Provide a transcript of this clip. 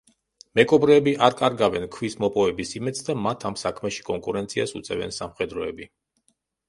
მეკობრეები არ კარგავენ ქვის მოპოვების იმედს და მათ ამ საქმეში კონკურენციას უწევენ სამხედროები.